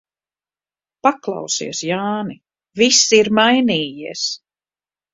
Paklausies, Jāni, viss ir mainījies.